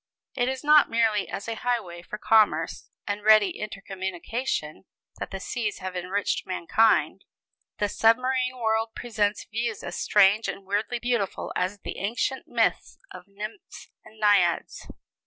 It is not merely as a highway for commerce and ready intercommunication that the seas have enriched mankind. The submarine world presents views as strange and weirdly beautiful as the ancient myths of nymphs and naiads.